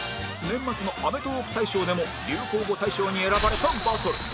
年末のアメトーーク大賞でも流行語大賞に選ばれたバトル